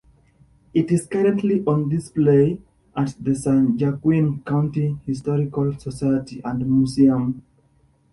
It is currently on display at the San Joaquin County Historical Society and Museum.